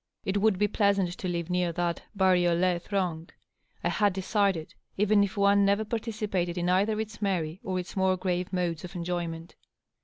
It would be pleasant to live near that baruM throng, I had decided, even if one never participated in either. its merry or its more grave modes of en joyment.